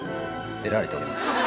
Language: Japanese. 出られております。